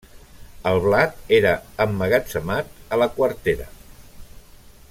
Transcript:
El blat era emmagatzemat a la quartera.